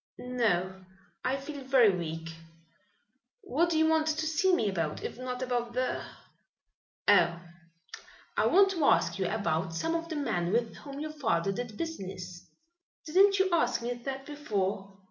"No, I feel very weak. What do you want to see me about, if not about the " "Oh, I want to ask you about some of the men with whom your father did business." "Didn't you ask me that before?"